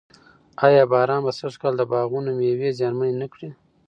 ایا باران به سږ کال د باغونو مېوې زیانمنې نه کړي؟